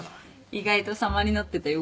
意外と様になってたよ。